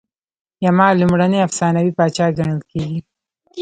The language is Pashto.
یما لومړنی افسانوي پاچا ګڼل کیږي